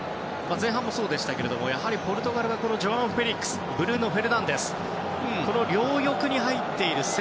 前半もそうでしたけどポルトガルはジョアン・フェリックスとブルーノ・フェルナンデス。